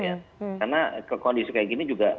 karena ke kondisi kayak gini juga